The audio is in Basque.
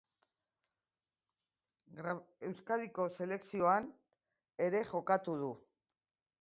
Euskadiko selekzioan ere jokatu du.